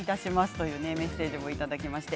というメッセージをいただきました。